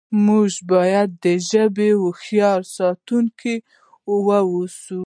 موږ باید د ژبې هوښیار ساتونکي اوسو.